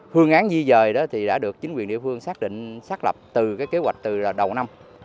phương án di rời đã được chính quyền địa phương xác định xác lập kế hoạch từ đầu năm